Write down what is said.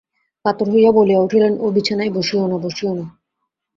কাতর হইয়া বলিয়া উঠিলেন, ও বিছানায় বসিয়ো না, বসিয়ো না।